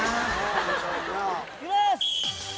いきます！